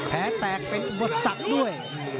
แพ้แปลกเป็นบัตรสักด้วย